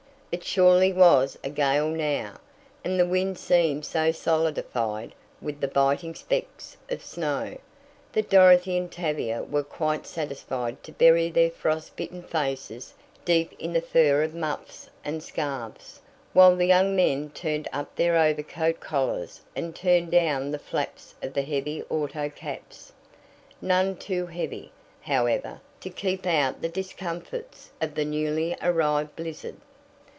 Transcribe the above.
It surely was a gale now, and the wind seemed so solidified with the biting specks of snow, that Dorothy and Tavia were quite satisfied to bury their frost bitten faces deep in the fur of muffs and scarfs, while the young men turned up their overcoat collars and turned down the flaps of the heavy auto caps, none too heavy, however, to keep out the discomforts of the newly arrived blizzard.